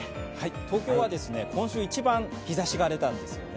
東京は今週一番日ざしが出たんですよね。